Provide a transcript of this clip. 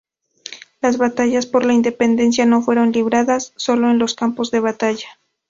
Las batallas por la independencia no fueron libradas solo en los campos de batalla.